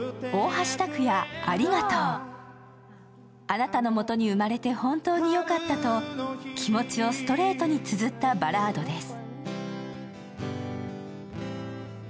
あなたの元に生まれて本当によかったと、気持ちをストレートにつづったバラードです。